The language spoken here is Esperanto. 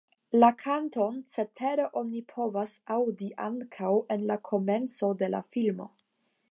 La kanton cetere oni povas aŭdi ankaŭ en la komenco de la filmo.